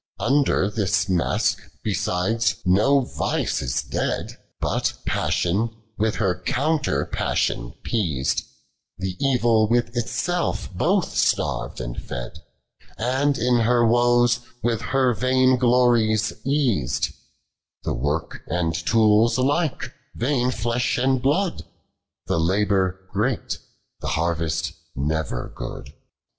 38. Under this mask, hesides, no vice is dead, But Passion with her counter passion peaz'd ; The evil with it self hoth starv'd ond fed, And in her woes with her vain glories eos'd ; The work and tools alike, vain flesh and hlood, The labour great, the harvest never good.